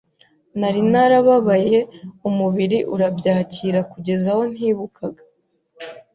nari narababaye umubiri urabyakira kugezaho ntibukaga